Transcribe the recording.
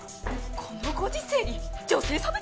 このご時世に女性差別！？